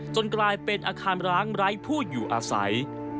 กลายเป็นอาคารร้างไร้ผู้อยู่อาศัย